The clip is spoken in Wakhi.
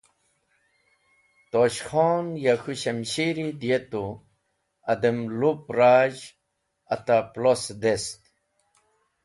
Tosh Khon ya k̃hũ shamshiri diyetu adem lup razh ata plos dest.